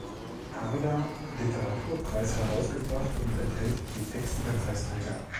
Harder Literaturpreis herausgebracht und enthält die Texte der Preisträger.